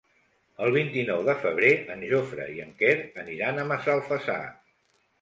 El vint-i-nou de febrer en Jofre i en Quer aniran a Massalfassar.